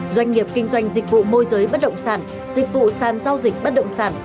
doanh nghiệp kinh doanh dịch vụ môi giới bất động sản dịch vụ sàn giao dịch bất động sản